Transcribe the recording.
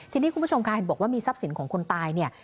ทีนี้คุณผู้ชมค่ะเห็นบอกว่ามีทรัพย์สินของคนตายเนี่ย